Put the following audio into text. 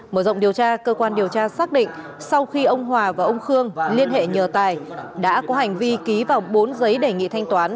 mở rộng điều tra cơ quan điều tra xác định sau khi ông hòa và ông khương liên hệ nhờ tài đã có hành vi ký vào bốn giấy đề nghị thanh toán